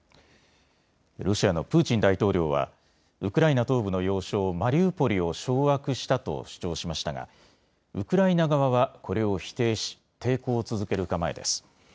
ロシアのプーチン大統領はウクライナ東部の要衝マリウポリを掌握したと主張しましたがウクライナ側は、これを否定し抵抗を続ける構えです。